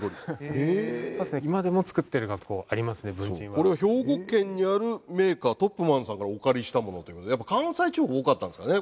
これは兵庫県にあるメーカートップマンさんからお借りしたものという事でやっぱ関西地方が多かったんですかね？